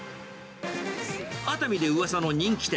熱海でうわさの人気店。